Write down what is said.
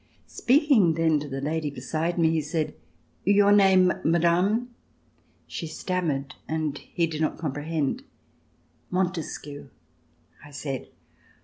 Speaking then to the lady beside me, he said: "Your name, Madame.'*" She stammered and he did not comprehend. "Montesquieu," I said.